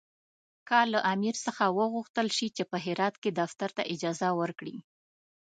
که له امیر څخه وغوښتل شي چې په هرات کې دفتر ته اجازه ورکړي.